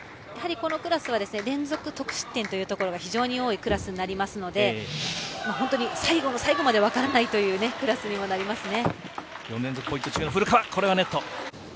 このクラスは連続得失点というものが非常に多いクラスになりますので本当に最後の最後まで分からないというクラスになりますね。